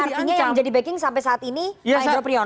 jadi artinya yang menjadi backing sampai saat ini pak hendro priyono